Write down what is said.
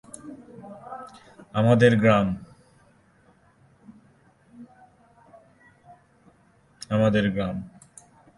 প্রতিষ্ঠাকালে শুধু গৌরীপুর ইউনিয়ন নামে ছিলো।